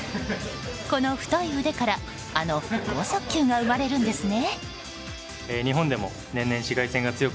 この太い腕からあの豪速球が生まれるんですね。